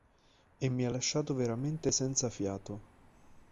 E mi ha lasciato veramente senza fiato.